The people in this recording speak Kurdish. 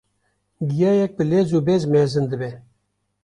giyayek bi lez û bez mezin dibe.